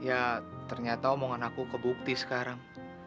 ya ternyata omongan aku kebukti sekarang